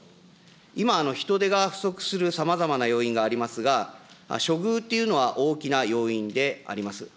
今、人手が不足するさまざまな要因がありますが、処遇っていうのは大きな要因であります。